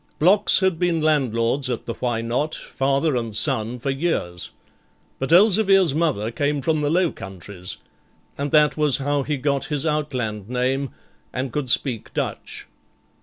Blocks had been landlords at the Why Not? father and son for years, but Elzevir's mother came from the Low Countries, and that was how he got his outland name and could speak Dutch.